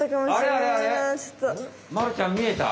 まるちゃんみえた？